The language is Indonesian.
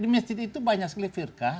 di masjid itu banyak sekali firkah